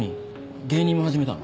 芸人も始めたの？